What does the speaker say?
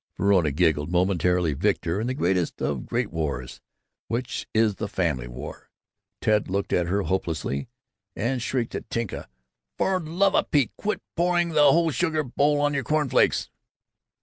Verona giggled, momentary victor in the greatest of Great Wars, which is the family war. Ted looked at her hopelessly, then shrieked at Tinka: "For the love o' Pete, quit pouring the whole sugar bowl on your corn flakes!"